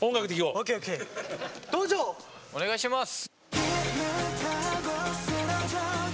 お願いします！